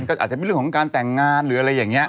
ก็อาจจะเป็นเรื่องของการแต่งงานหรืออะไรอย่างนี้